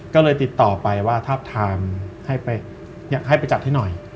ก็เลยติดต่อไปว่าทาบทามให้ไปจัดให้หน่อย